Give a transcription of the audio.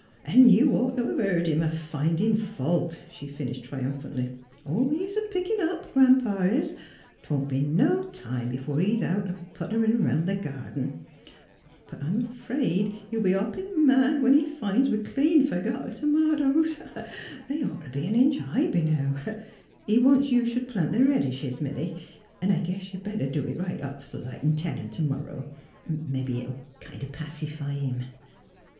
'' An' you'd ought t' 'a' heerd him a findin' fault," she finished, triumphantly. " Oh, he's pickin' up. Gran 'pa is. 'Twon't be no time b'fore he's out a putterin' 'round th' garden. But I'm 'fraid he'll be hoppin' mad when he fin's we clean f ergot th' t'matoes. They'd ought t' be an inch high b' now. He wants you should plant the red dishes, Milly; 'n' I guess you'd better do it right off, so's I c'n tell him t ' morrow; mebbe it'll kind o' pacify him."